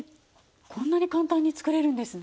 こんなに簡単に作れるんですね。